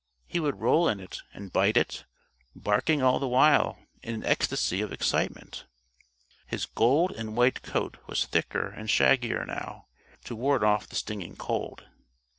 He would roll in it and bite it, barking all the while in an ecstasy of excitement. His gold and white coat was thicker and shaggier now, to ward off the stinging cold.